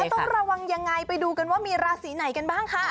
ต้องระวังยังไงไปดูกันว่ามีราศีไหนกันบ้างค่ะ